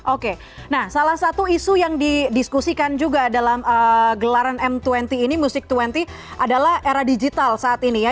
oke nah salah satu isu yang didiskusikan juga dalam gelaran m dua puluh ini musik dua puluh adalah era digital saat ini ya